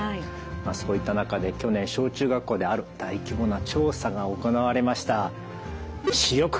そういった中で去年小中学校である大規模な調査が行われました。